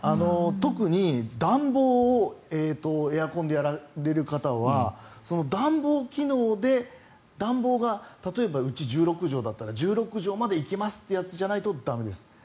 特に暖房をエアコンでやられる方は暖房機能で暖房が例えばうちは１６畳だったら１６畳までいきますというやつじゃないと駄目です。